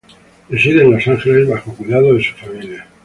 Reside en Los Ángeles, bajo cuidado de su familia.